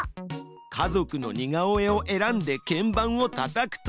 家族の似顔絵を選んで鍵盤をたたくと。